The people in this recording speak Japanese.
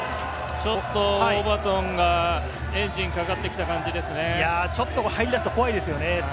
ちょっとウォーバートンがエンジンかかってきた感じですね。